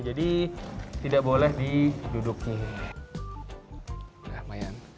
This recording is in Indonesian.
jadi tidak boleh didudukin